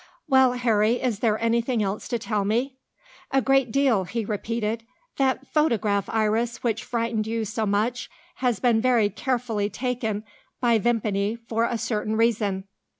"Well, Harry, is there anything else to tell me? "A great deal," he repeated. "That photograph, Iris, which frightened you so much, has been very carefully taken by Vimpany for a certain reason."